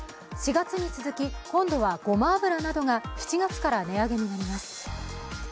４月に続き今度はごま油などが７月から値上げになります。